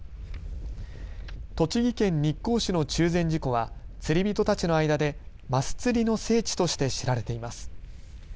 栃木県日光市の中禅寺湖は釣り人たちの間でマス釣りの聖地として知られています。